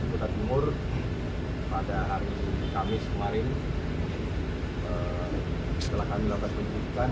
kota timur pada hari kamis kemarin setelah kami lakukan penyelidikan